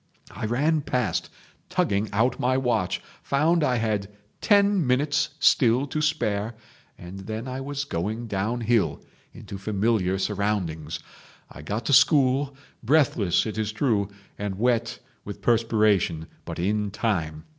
I ran past tugging out my watch, found I had ten minutes still to spare, and then I was going downhill into familiar surroundings. I got to school, breathless, it is true, and wet with perspiration, but in time.